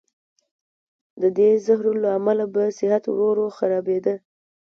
د دې زهرو له امله به صحت ورو ورو خرابېده.